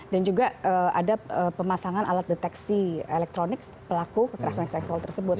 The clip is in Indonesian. dan juga ada pemasangan alat deteksi elektronik pelaku kekerasan seksual tersebut